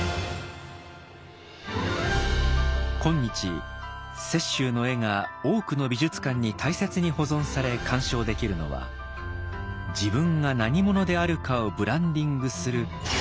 今日雪舟の絵が多くの美術館に大切に保存され鑑賞できるのは「自分が何者であるかをブランディングする」